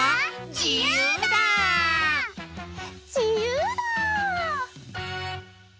じゆうだ！